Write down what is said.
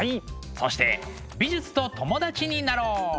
そして美術と友達になろう！